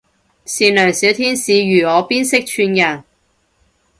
善良小天使如我邊識串人